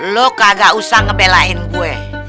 lo kagak usah ngebelain gue